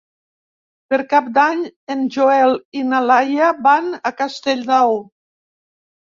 Per Cap d'Any en Joel i na Laia van a Castellnou.